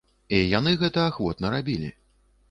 І яны гэта ахвотна рабілі.